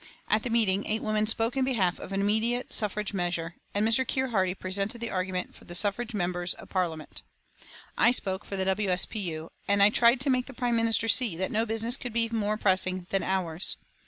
At the meeting eight women spoke in behalf of an immediate suffrage measure, and Mr. Keir Hardie presented the argument for the suffrage members of Parliament. I spoke for the W. S. P. U., and I tried to make the Prime Minister see that no business could be more pressing than ours.